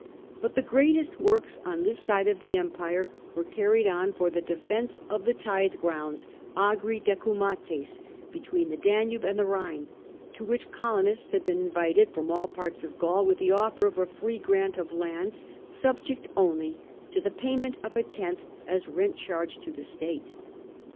But the greatest works on this side of the empire were carried on for the defence of the tithe grounds (' Agri decumates') between the Danube and the Rhine, to which colonists had been invited from all parts of Gaul with the offer of a free grant of lands, subject only to the payment of a tenth as rent charge to the state.